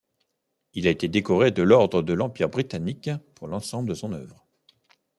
Il a été décoré de l'Ordre de l'Empire britannique pour l'ensemble de son œuvre.